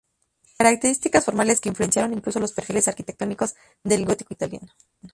Características formales que influenciaron incluso los perfiles arquitectónicos del Gótico italiano.